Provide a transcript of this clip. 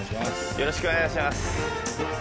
よろしくお願いします。